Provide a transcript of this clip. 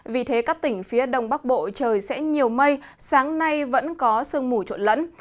vì thế các tỉnh phía đông bắc bộ trời sẽ nhiều mây sáng nay vẫn có sương mù trộn lẫn